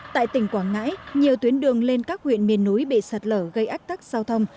tại tỉnh quảng ngãi nhiều tuyến đường lên các huyện miền núi bị sạt lở gây ách tắc giao thông